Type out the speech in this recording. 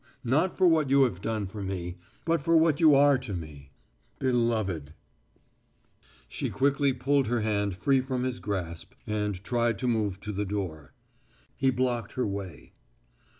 Not for what you have done for me, but for what you are to me beloved." She quickly pulled her hand free from his grasp and tried to move to the door. He blocked her way.